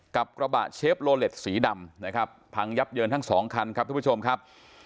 กับกระบะเชฟโลเล็ตสีดำนะครับพังยับเยินทั้งสองคันครับทุกผู้ชมครับ